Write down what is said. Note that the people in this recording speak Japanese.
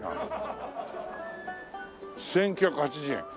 「１９８０円」